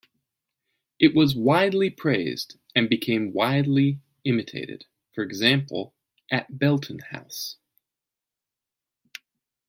It was widely praised, and became widely imitated, for example at Belton House.